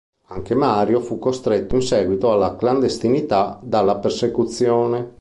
Anche Mario fu costretto in seguito alla clandestinità dalla persecuzione.